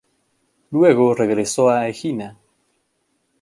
Luego regresó a Egina.